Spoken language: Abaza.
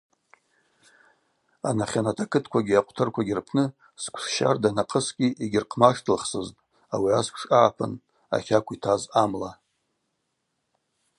Анахьанат акытквагьи акъвтырквагьи рпны сквшы щарда анахъъысгьи йгьырхъмаштылхсызтӏ, ауи асквш агӏапын ахакв йтаз амла.